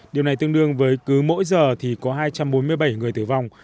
điều này tương đương với cứ mỗi giờ thì có hai trăm bốn mươi bảy người tử vong